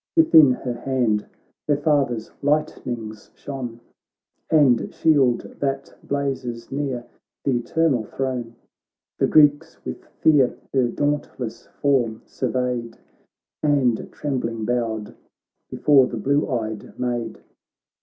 Within her hand her father's lightnings shone. And shield that blazes near th' eternal throne ; The Greeks with fear her dauntless form surveyed. And trembling bowed before the blue eyed maid.